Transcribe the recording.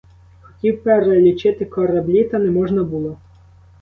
Хотів перелічити кораблі, та не можна було.